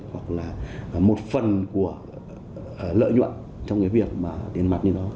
hoặc là một phần của lợi nhuận trong việc đến mặt như đó